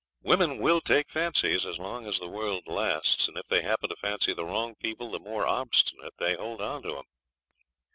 Women will take fancies as long as the world lasts, and if they happen to fancy the wrong people the more obstinate they hold on to 'em.